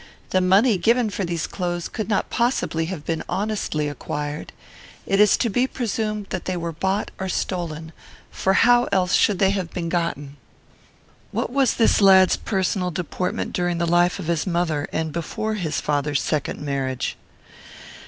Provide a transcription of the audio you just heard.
The money given for these clothes could not possibly have been honestly acquired. It is to be presumed that they were bought or stolen, for how else should they have been gotten?" "What was this lad's personal deportment during the life of his mother, and before his father's second marriage?"